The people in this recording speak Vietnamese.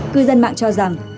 cư dân mạng cho rằng